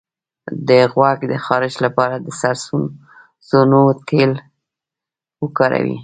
د غوږ د خارش لپاره د سرسونو تېل وکاروئ